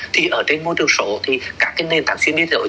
thì ở trên môi trường số thì các cái nền tảng xuyên biên giới